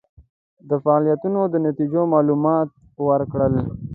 د فعالیتونو د نتیجو معلومات ورکړل.